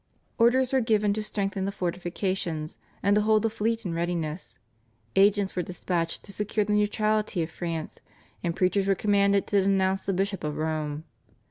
Orders were given to strengthen the fortifications, and to hold the fleet in readiness. Agents were dispatched to secure the neutrality of France, and preachers were commanded to denounce the Bishop of Rome.